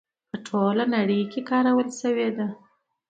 په ټوله نړۍ کې کارول شوې ده.